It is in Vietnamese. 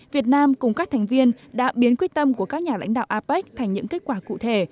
việt nam cùng các thành viên đã biến quyết tâm của các nhà lãnh đạo apec thành những kết quả cụ thể